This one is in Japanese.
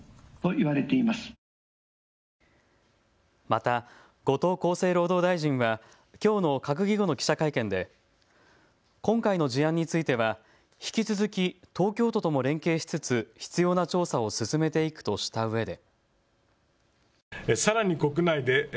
また後藤厚生労働大臣はきょうの閣議後の記者会見で今回の事案については引き続き東京都とも連携しつつ必要な調査を進めていくとしたうえで。